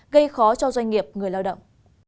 gây khó cho doanh nghiệp người lao động